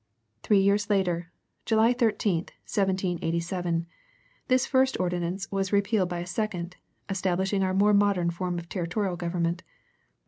Three years later, July 13, 1787, this first ordinance was repealed by a second, establishing our more modern form of territorial government.